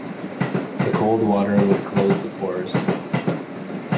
The cold water would close the pores.